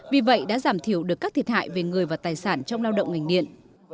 vì vậy đã giảm thiểu được các thiệt hại về người và tài sản trong lao động ngành điện